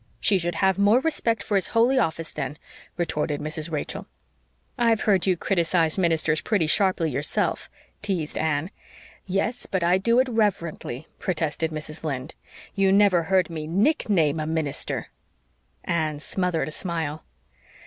"She should have more respect for his holy office, then," retorted Mrs. Rachel. "I've heard you criticise ministers pretty sharply yourself," teased Anne. "Yes, but I do it reverently," protested Mrs. Lynde. "You never heard me NICKNAME a minister." Anne smothered a smile.